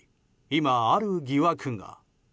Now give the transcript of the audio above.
今、ある疑惑が。